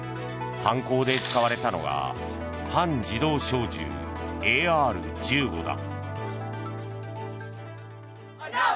犯行で使われたのが半自動小銃、ＡＲ１５だ。